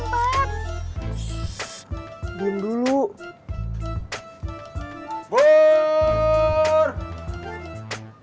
barunya nggak usah mas kenapa saya udah